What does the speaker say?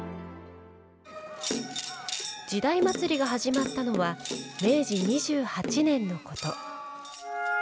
時代祭が始まったのは明治２８年のこと。